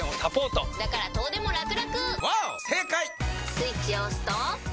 スイッチを押すと。